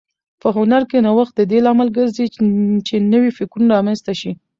په هنر کې نوښت د دې لامل ګرځي چې نوي فکرونه رامنځته شي.